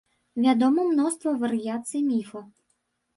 Вядома мноства варыяцый міфа.